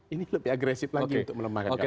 ini lebih agresif lagi untuk melemahkan kpk